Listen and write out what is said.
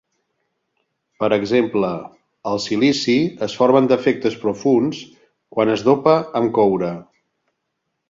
Per exemple, al silici es formen defectes profunds quan es dopa amb coure.